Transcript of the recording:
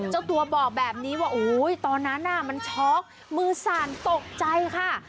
เจ้าตัวบอกแบบนี้ว่าโอ้โหตอนนั้นมันช็อกมือสั่นตกใจค่ะ